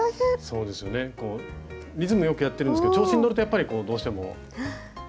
そうですよねリズムよくやってるんですけど調子に乗るとやっぱりこうどうしてもね。